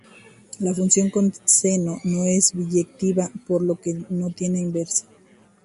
La función coseno no es biyectiva, por lo que no tiene inversa.